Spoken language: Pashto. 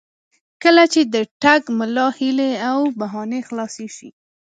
کله چې د ټګ ملا هیلې او بهانې خلاصې شي.